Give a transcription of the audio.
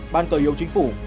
ban cờ yêu chính phủ